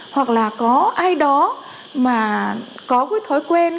hoặc là có ai đó mà có cái thói quen